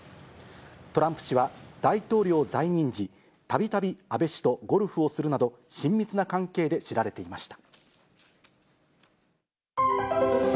トランプ氏は大統領在任時、たびたび安倍氏とゴルフをするなど、親密な関係で知られていました。